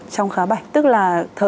trong khá bảnh tức là